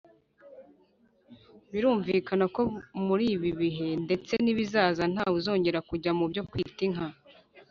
birumvikana ko muri ibi bihe ndetse n’ibizaza ntawe uzongera kujya mu byo kwita inka.